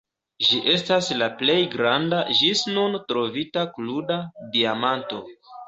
Ĝi estas la plej granda ĝis nun trovita kruda diamanto.